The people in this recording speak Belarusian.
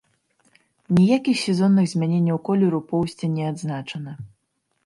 Ніякіх сезонных змяненняў колеру поўсці не адзначана.